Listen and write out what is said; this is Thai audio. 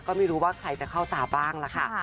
ก็ไม่รู้ว่าใครจะเข้าตาบ้างล่ะค่ะ